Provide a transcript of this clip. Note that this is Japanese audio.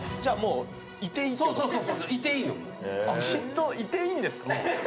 じっといていいんですか？